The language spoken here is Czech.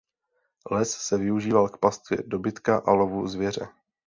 Les se využíval k pastvě dobytka a lovu zvěře.